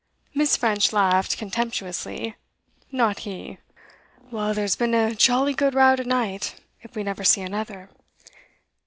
Miss. French laughed contemptuously. 'Not he!' 'Well, there's been a jolly good row to night, if we never see another.